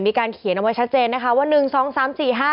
มีการเขียนเอาไว้ชัดเจนนะคะว่า๑๒๓๔๕